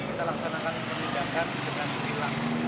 kita laksanakan penindakan dengan hilang